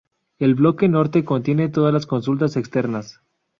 El bloque Norte contiene todas las consultas externas.